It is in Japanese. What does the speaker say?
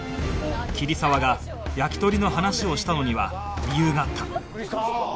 桐沢が焼き鳥の話をしたのには理由があった